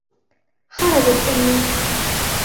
خرجت أمي.